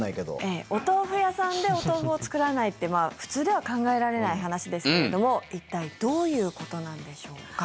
お豆腐屋さんでお豆腐を作らないって普通では考えられない話ですけれども一体どういうことなんでしょうか。